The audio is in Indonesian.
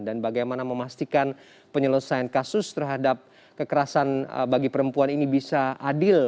dan bagaimana memastikan penyelesaian kasus terhadap kekerasan bagi perempuan ini bisa adil